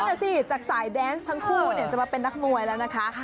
น่ะสิจากสายแดนส์ทั้งคู่จะมาเป็นนักมวยแล้วนะคะ